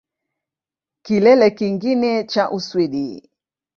Kilele kingine cha Uswidi